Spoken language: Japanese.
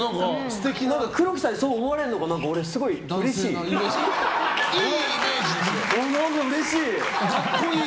黒木さんにそう思われてるのが俺、すごいうれしい。